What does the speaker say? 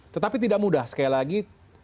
tetapi tidak mudah sekali lagi